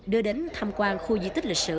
đưa đến tham quan khu di tích lịch sử